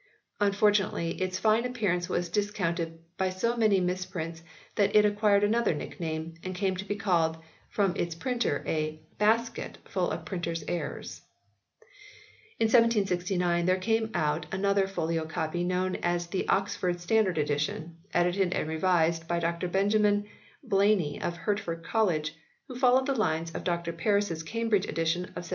Unfortunately its fine appearance was discounted by so many misprints that it acquired another nickname and came to be called from its printer " a BasJcett full of printers errors." In 1769 there came out another folio copy known as the Oxford "Standard Edition/ edited and revised by Dr Benjamin Blayney of Hertford College, who followed the lines of Dr Paris Cambridge edition of 1762.